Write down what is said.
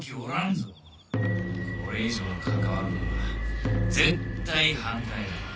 これ以上関わるのは絶対反対だ！